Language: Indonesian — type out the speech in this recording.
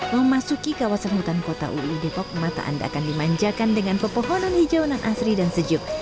memasuki kawasan hutan kota ui depok mata anda akan dimanjakan dengan pepohonan hijau yang asri dan sejuk